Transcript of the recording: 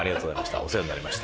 お世話になりまして。